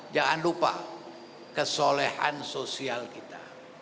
jangan lupa kesolehan sosial kita